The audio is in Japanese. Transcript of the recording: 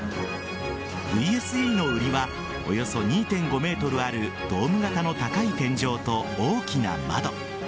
ＶＳＥの売りはおよそ２．５ｍあるドーム型の高い天井と大きな窓。